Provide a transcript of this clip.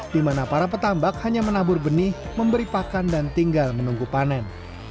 di mana para petambak hanya menabur benih memberi pakan dan tinggal menunggu panen